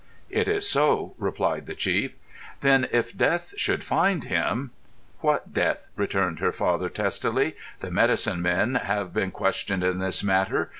"It is so," replied the chief. "Then if death should find him——" "What death?" returned her father, testily. "The medicine men have been questioned in this matter.